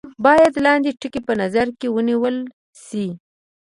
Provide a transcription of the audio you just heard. باید لاندې ټکي په نظر کې ونیول شي.